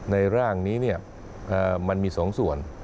ในร่างนี้เนี่ยมันมีสองส่วน